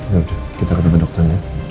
gak udah kita ketemu dokternya ya